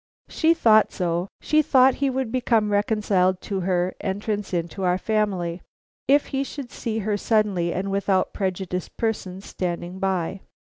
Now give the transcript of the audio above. "She thought so; she thought he would become reconciled to her entrance into our family if he should see her suddenly and without prejudiced persons standing by."